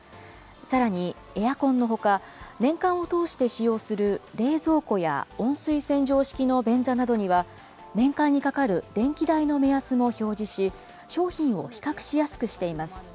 さらに、エアコンのほか年間を通して使用する冷蔵庫や温水洗浄式の便座などには、年間にかかる電気代の目安も表示し、商品を比較しやすくしています。